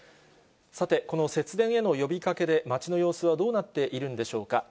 さて、この節電への呼びかけで、街の様子はどうなっているんでしょうか。